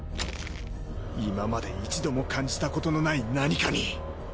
今まで一度も感じたことのない何かに。